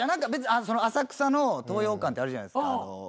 浅草の東洋館ってあるじゃないですか。